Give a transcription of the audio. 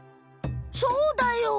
そうだよ。